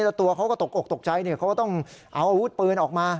แล้วตัวเขาก็ตกอกตกใจเขาก็ต้องเอาอาวุธปืนออกมา